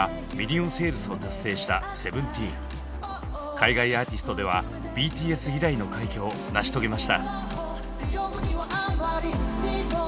海外アーティストではＢＴＳ以来の快挙を成し遂げました。